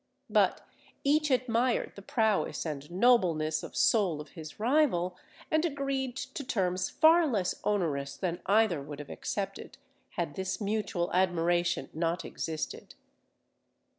But each admired the prowess and nobleness of soul of his rival, and agreed to terms far less onerous than either would have accepted, had this mutual admiration not existed.